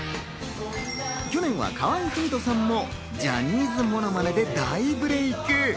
去年は河合郁人さんもジャニーズものまねで大ブレイク！